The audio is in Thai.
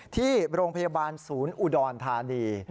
ที่โรงพยาบาลศูนย์อุดรธานี